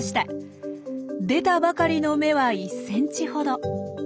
出たばかりの芽は１ｃｍほど。